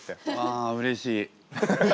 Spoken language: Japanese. あうれしい。